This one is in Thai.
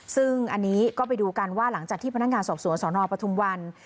ซึ่งอันนี้ก็ไปดูกันว่าหลังจากที่พนักงานสอบสวนสนปทุมวัน